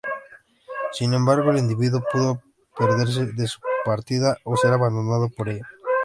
Sin embargo, el individuo pudo perderse de su partida o ser abandonado por ella.